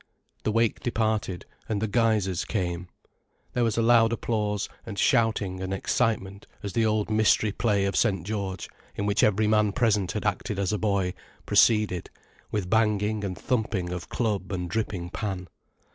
The wake departed, and the guysers came. There was loud applause, and shouting and excitement as the old mystery play of St. George, in which every man present had acted as a boy, proceeded, with banging and thumping of club and dripping pan.